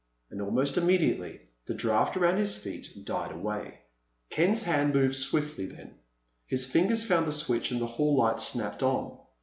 And almost immediately the draft around his feet died away. Ken's hand moved swiftly then. His fingers found the switch and the hall light snapped on.